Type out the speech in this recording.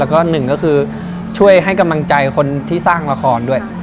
แล้วก็หนึ่งก็คือช่วยให้กำลังใจคนที่สร้างละครด้วย